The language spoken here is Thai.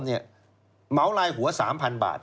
เหมาลายหัว๓๐๐บาท